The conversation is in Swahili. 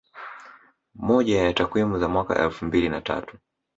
Moja ya takwimu za mwaka elfu mbili na tatu